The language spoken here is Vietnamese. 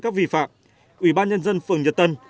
các vi phạm ủy ban nhân dân phường nhật tân